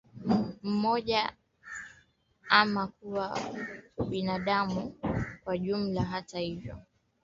mmoja ama kwa ubinadamu kwa jumla Hata hivyo